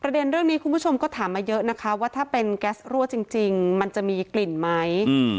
เด็นเรื่องนี้คุณผู้ชมก็ถามมาเยอะนะคะว่าถ้าเป็นแก๊สรั่วจริงมันจะมีกลิ่นไหม